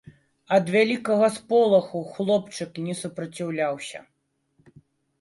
Ад вялікага сполаху хлопчык не супраціўляўся.